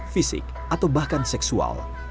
fisik atau bahkan seksual